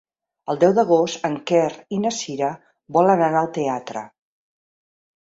El deu d'agost en Quer i na Cira volen anar al teatre.